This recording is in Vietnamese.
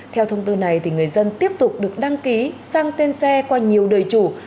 theo thông tư này người dân tiếp tục được đăng ký sang tên xe qua nhiều đời chủ